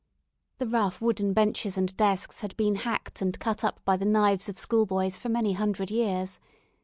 The rough, wooden benches and desks had been hacked and cut up by the knives of schoolboys for many hundred years.